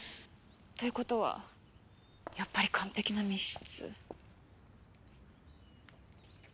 という事はやっぱり完璧な密室。